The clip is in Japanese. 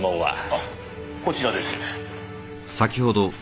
あこちらです。